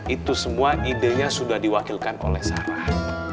itu semua idenya sudah diwakilkan oleh sarah